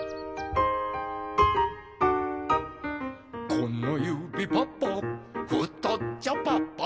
「このゆびパパふとっちょパパ」